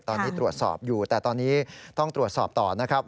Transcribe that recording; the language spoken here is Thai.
ตอนนี้ตรวจสอบอยู่แต่ตอนนี้ต้องตรวจสอบต่อนะครับ